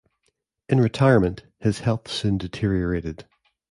In retirement, his health soon deteriorated.